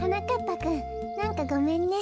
ぱくんなんかごめんね。